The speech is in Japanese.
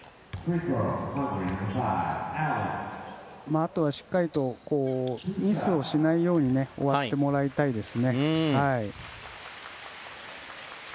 あとは、しっかりとミスをしないように終わってもらいたいですね。